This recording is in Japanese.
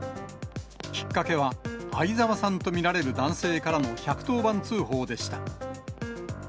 きっかけは、相沢さんと見られる男性からの１１０番通報でした。